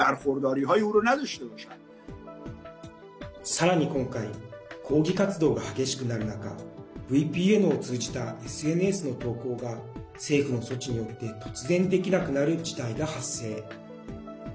さらに今回抗議活動が激しくなる中ＶＰＮを通じたＳＮＳの投稿が政府の措置によって突然できなくなる事態が発生。